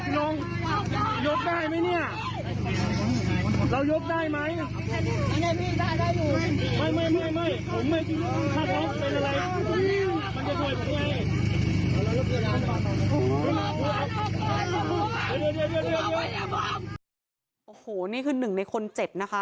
โอ้โหนี่คือหนึ่งในคนเจ็บนะคะ